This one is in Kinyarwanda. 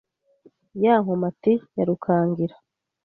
Ya Nkomati ya Rukangira